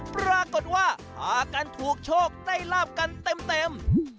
ปรากฏว่าพากันถูกโชคได้ลาบกันเต็ม